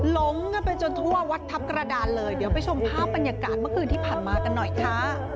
หลงกันไปจนทั่ววัดทัพกระดานเลยเดี๋ยวไปชมภาพบรรยากาศเมื่อคืนที่ผ่านมากันหน่อยค่ะ